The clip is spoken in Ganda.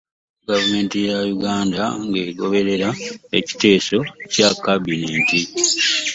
Gavumenti ya Uganda ng'egoberera ekiteeso kya Kabinenti